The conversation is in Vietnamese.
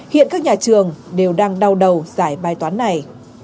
hiện các nhà trường đều đang đau đầu giải bài toán này